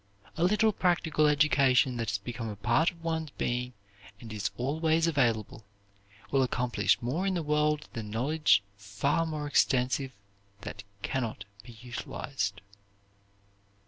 A little practical education that has become a part of one's being and is always available, will accomplish more in the world than knowledge far more extensive that can not be utilized.